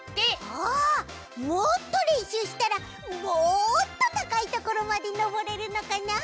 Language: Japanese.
あもっとれんしゅうしたらもっとたかいところまでのぼれるのかなあ？